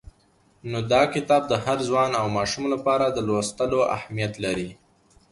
نو دا کتاب د هر ځوان او ماشوم لپاره د لوستلو اهمیت لري.